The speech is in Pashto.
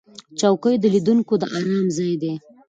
چوکۍ د لیدونکو د آرام ځای دی.